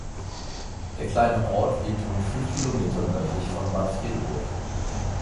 Der kleine Ort liegt rund fünf Kilometer nördlich von Bad Fredeburg.